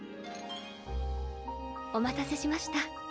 お待たせしました。